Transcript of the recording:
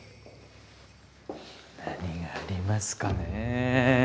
何がありますかね。